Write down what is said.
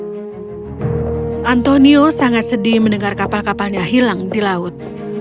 antonio sangat sedih mendengar kapal kapalnya hilang di laut